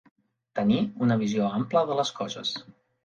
Tenir una visió ampla de les coses.